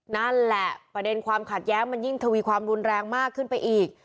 นั่นแหละประเด็นความขัดแย้งมันยิ่งทวีความรุนแรงมากขึ้นไปอีก